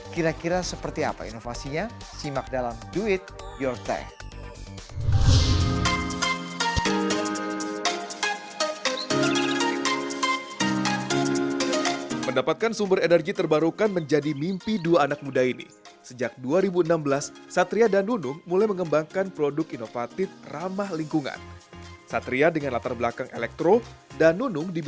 kira kira seperti apa inovasinya simak dalam do it yourself